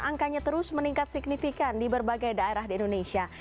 angkanya terus meningkat signifikan di berbagai daerah di indonesia